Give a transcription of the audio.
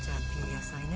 野菜ね。